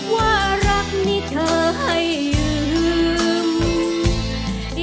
ว่ารักนี่เธอให้ลืม